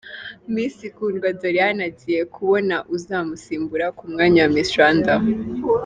Miss Kundwa Doriane agiye kubona uzamusimbura ku mwanya wa Miss Rwanda.